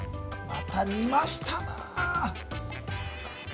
また、煮ましたなぁ。